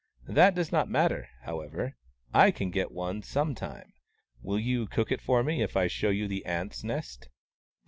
That does not matter, however — I can get one some time. Will you cook it for me, if I show you the ants' nest